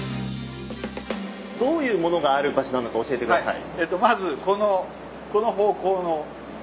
どういうものがある場所なのか教えてください。